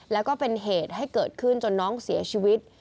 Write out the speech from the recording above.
แล้วก็เป็นเหตุให้เกิดขึ้นจนน้องเสียชีวิต